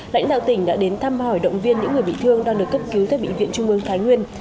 lãnh đạo tỉnh đã đến thăm hỏi động viên những người bị thương đang được cấp cứu tại bệnh viện trung ương thái nguyên